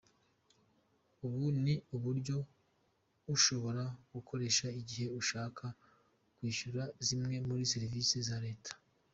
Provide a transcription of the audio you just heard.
Ubu ni uburyo ushobora gukoresha igihe ushaka kwishyura zimwe muri serivisi za leta.